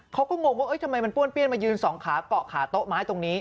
งงว่าทำไมมันป้วนเปี้ยนมายืนสองขาเกาะขาโต๊ะไม้ตรงนี้